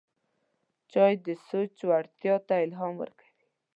چای د سوچ ژورتیا ته الهام ورکوي